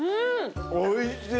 おいしい！